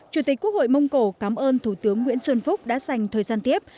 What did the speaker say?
chủ tịch quốc hội mông cổ cảm ơn thủ tướng nguyễn xuân phúc đã dành thời gian tiếp